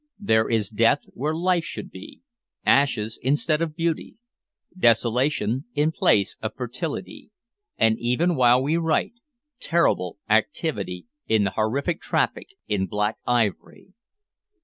There is death where life should be; ashes instead of beauty; desolation in place of fertility, and, even while we write, terrible activity in the horrible traffic in "Black Ivory."